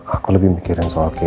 aku lebih mikirin soal kayak